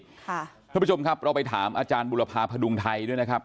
ท่านผู้ชมครับเราไปถามอาจารย์บุรพาพดุงไทยด้วยนะครับ